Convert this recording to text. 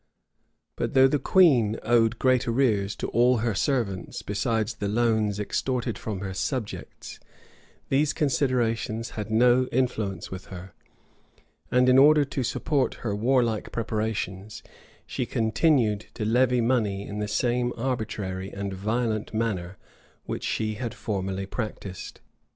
But though the queen owed great arrears to all her servants, besides the loans extorted from her subjects, these considerations had no influence with her; and in order to support her warlike preparations, she continued to levy money in the same arbitrary and violent manner which she had formerly practised.